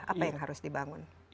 apa yang harus dibangun